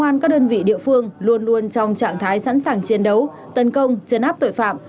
công an các đơn vị địa phương luôn luôn trong trạng thái sẵn sàng chiến đấu tấn công chấn áp tội phạm